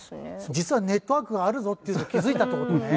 実はネットワークがあるぞって気づいたって事ね。